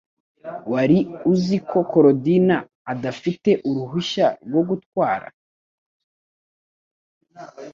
Wari uzi ko Korodina adafite uruhushya rwo gutwara